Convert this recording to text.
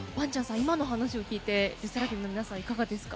今の話を聞いてＬＥＳＳＥＲＡＦＩＭの皆さんいかがですか？